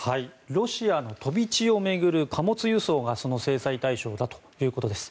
ロシアの飛び地を巡る貨物輸送がその制裁対象だということです。